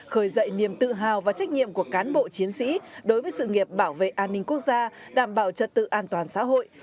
khởi dậy niềm tự hào và trách nhiệm của cán bộ chiến sĩ đối với sự nghiệp bảo vệ an ninh quốc gia đảm bảo trật tự an toàn xã hội